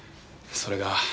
それが。